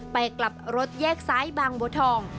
กลับรถแยกซ้ายบางบัวทอง